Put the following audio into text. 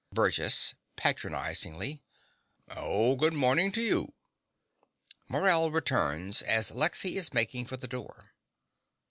BURGESS (patronizingly). Oh, good morning to you. (Morell returns as Lexy is making for the door.)